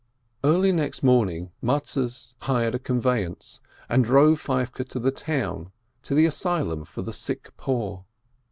Early next morning Mattes hired a conveyance, and drove Feivke to the town, to the asylum for the sick poor.